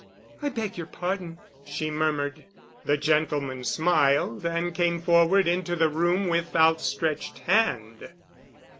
"I beg your pardon," she murmured. The gentleman smiled and came forward into the room with outstretched hand.